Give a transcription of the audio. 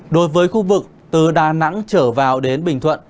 đối với khu vực từ đà nẵng trở vào đến bình thuận